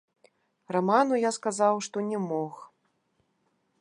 Раману я сказаў, што не мог.